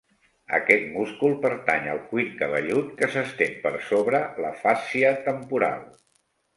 Aquest múscul pertany al cuir cabellut, que s'estén per sobre la fàscia temporal.